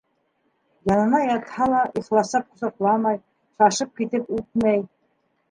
Янына ятһа ла, ихласлап ҡосаҡламай, шашып китеп үпмәй.